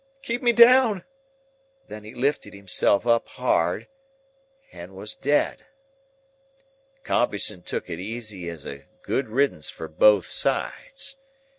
Keep me down!' Then he lifted himself up hard, and was dead. "Compeyson took it easy as a good riddance for both sides.